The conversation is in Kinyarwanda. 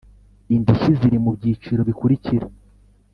Indishyi ziri mu byiciro bikurikira